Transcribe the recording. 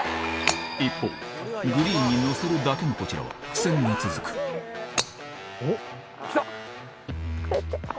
一方グリーンにのせるだけのこちらは苦戦が続くきた！